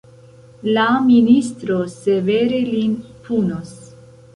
La ministro severe lin punos.